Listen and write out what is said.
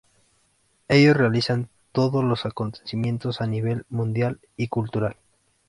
Ellos realizan todo los acontecimientos a nivel mundial y cultural.